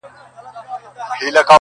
سیال له سیال له سره ملګری ښه ښکارېږي-